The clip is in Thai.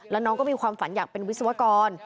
แล้วน้องก็มีความฝันอยากเป็นวิศวกร